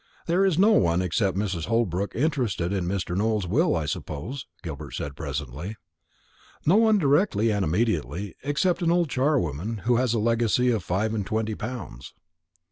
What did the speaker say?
"There is no one except Mrs. Holbrook interested in Mr. Nowell's will, I suppose?" Gilbert said presently. "No one directly and immediately, except an old charwoman, who has a legacy of five and twenty pounds."